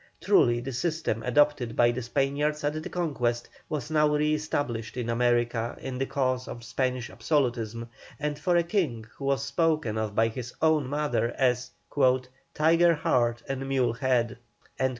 Truly the system adopted by the Spaniards at the conquest was now re established in America in the cause of Spanish absolutism, and for a King who was spoken of by his own mother as "tiger heart and mule head."